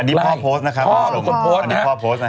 อันนี้พ่อโพสต์นะครับอันนี้พ่อโพสต์